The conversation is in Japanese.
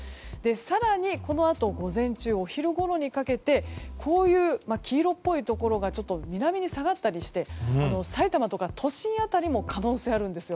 更に、このあと午前中お昼ごろにかけてこういう黄色っぽいところが南に下がったりして埼玉や都心辺りでも可能性があるんです。